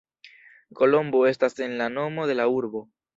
Kolombo estas en la nomo de la urbo.